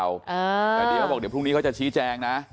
เดียบอกเดี๋ยวพรุ่งนี้เขาจะชี้แจงนะ